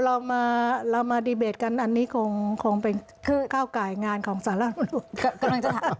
เรามาดีเบตกันอันนี้คงเป็นข้าวกายงานของศาลัทธรรมนูล